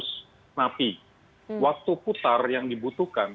jadi waktu putar yang dibutuhkan